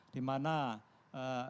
dimana rekan saya chandra sambil